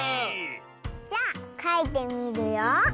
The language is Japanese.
じゃあかいてみるよ。